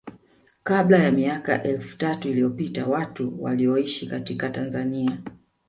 kabla ya miaka elfu tatu iliyopita watu walioishi katika Tanzania